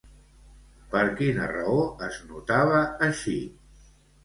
Per quina raó es notava així?